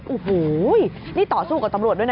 โอ้โหนี่ต่อสู้กับตำรวจด้วยนะ